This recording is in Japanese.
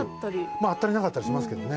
まああったりなかったりしますけどね。